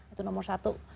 itu nomor satu